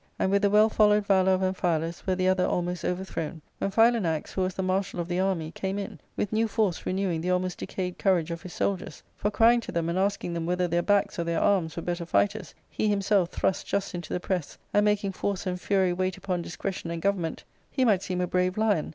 And with the well followed valour of Amphialus were the other almost overthrown, when Philanax, who was the marshal of the army, came in, with new force renewing the almost decayed courage of his soldiers ; for, crying to them, and asking them whether their backs or their arms were better fighters,, he himself I thrust just into the press, and, making force and fury wait : upon discretion and government, he might seem a brave lion n ARCADIA.